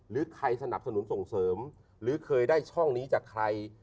หรือใครสนับสนุนส่งเสริมหรือเคยได้ช่องนี้จากใคร